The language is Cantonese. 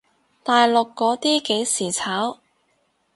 大陸嗰啲幾時炒？